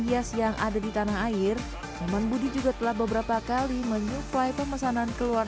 hias yang ada di tanah air nyoman budi juga telah beberapa kali menyuplai pemesanan keluar